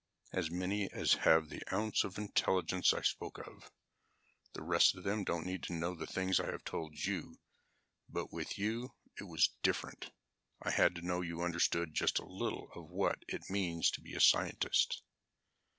"As many as have the ounce of intelligence I spoke of. The rest of them don't need to know the things I have told you, but with you it was different. I had to know you understood just a little of what it means to be a scientist."